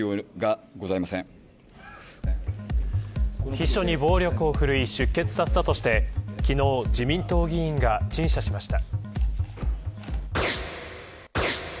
秘書に暴力をふるい出血させたとして昨日、自民党議員が陳謝しました。